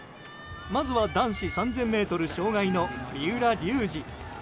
まずは男子３０００ｍ障害の三浦龍司。